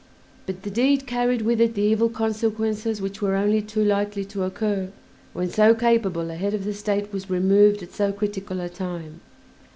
But the deed carried with it the evil consequences which were only too likely to occur when so capable a head of the State was removed at so critical a time.